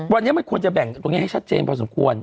วันนี้มันควรจะแบ่งตรงนี้ให้ชัดเจนพอสมควร